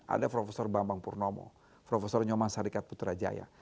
ada prof bambang purnomo prof nyoma s putrajaya